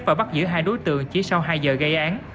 và bắt giữ hai đối tượng chỉ sau hai giờ gây án